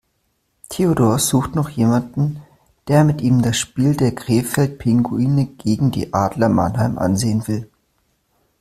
Theodor sucht noch jemanden, der mit ihm das Spiel der Krefeld Pinguine gegen die Adler Mannheim ansehen will.